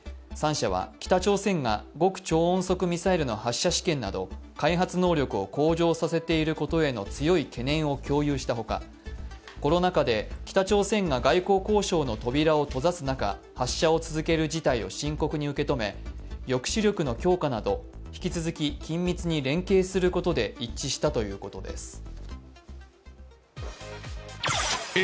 ３者は北朝鮮が極超音速ミサイルの発射実験など開発能力を向上させていることへの強い懸念を共有したほか、コロナ禍で北朝鮮が外交交渉の扉を閉ざす中、発射を続ける事態を深刻に受け止め抑止力の強化など引き続き緊密に連携することで一致したということです。